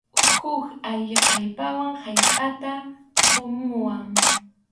Huk allin kallpawan haytʼata qumuwan.